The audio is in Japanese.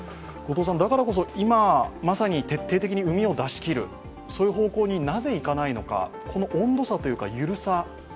だからこそ今まさに徹底的にうみを出し切る、そういう方向になぜ、いかないのかこの温度差というか緩さ